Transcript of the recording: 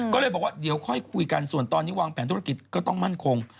ก็เลยบอกว่าเดี๋ยวค่อยคุยกันส่วนตอนนี้วางแผนธุรกิจก็ต้องมั่นคง